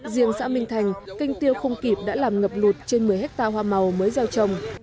riêng xã minh thành canh tiêu không kịp đã làm ngập lụt trên một mươi hectare hoa màu mới gieo trồng